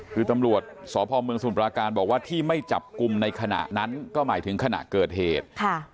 คือตำรวจสพเมืองสมุทราการบอกว่าที่ไม่จับกลุ่มในขณะนั้นก็หมายถึงขณะเกิดเหตุ